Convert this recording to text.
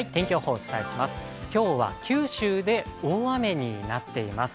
今日は九州で大雨になっています。